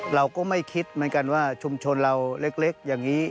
เราก็ไม่คิดเหมือนกันว่าชุมชนเราเล็กอย่างนี้